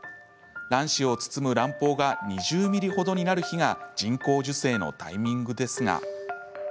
卵子を包む卵胞が２０ｍｍほどになる日が人工授精のタイミングですが。